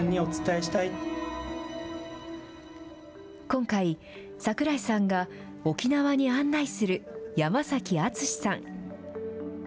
今回、櫻井さんが沖縄に案内する山崎篤士さん。